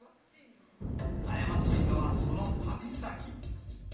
悩ましいのは、その旅先。